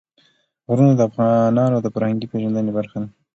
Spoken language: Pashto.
غرونه د افغانانو د فرهنګي پیژندنې برخه ده.